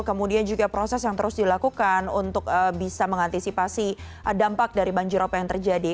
kemudian juga proses yang terus dilakukan untuk bisa mengantisipasi dampak dari banjirop yang terjadi